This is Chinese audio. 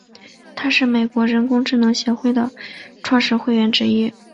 他是美国人工智能协会的创始会员之一。